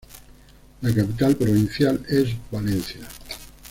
La capital provincial es Valencia.